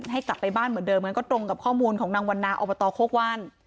ให้กลับไปบ้านเหมือนเดิมมันก็ตรงกับข้อมูลของนางวันนาอบตโคกว่าน